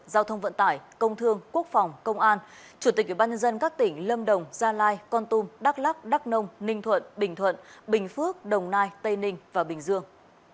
giao thông vận tải công thương quốc phòng công an chủ tịch ủy ban nhân dân các tỉnh lâm đồng gia lai con tum đắk lắc đắk nông ninh thuận bình thuận bình phước đồng nai tây ninh và bình dương